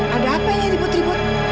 ada apa ini ribut ribut